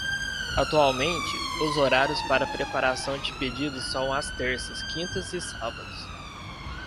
Atualmente, os horários para preparação de pedidos são às terças, quintas e sábados.